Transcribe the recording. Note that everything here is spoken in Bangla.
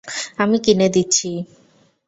আমি কিনে দিচ্ছি।